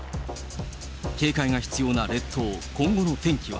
警戒が必要な列島、今後の天気は。